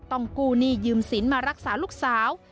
ต้องกู้หนี้ยืมสินมารักษาลูกสาว